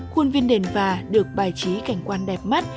khuôn viên đền và được bài trí cảnh quan đẹp mắt